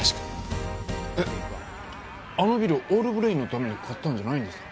えっあのビルオールブレインのために買ったんじゃないんですか？